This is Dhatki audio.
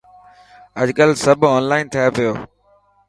اڄڪل سب اونلائن ٿي پيو.